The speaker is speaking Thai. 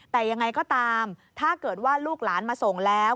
แต่ยังไงก็ตามถ้าเกิดว่าลูกหลานมาส่งแล้ว